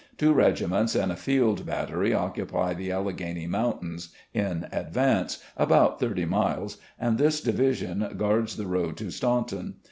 Two regiments and a field battery occupy the Alleghany Mountains in advance, about thirty miles, and this division guards the road to Statmton.